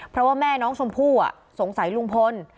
เพราะว่าแม่น้องชมพู่สงสัยลุงพล